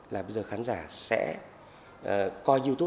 là bây giờ khán giả sẽ coi youtube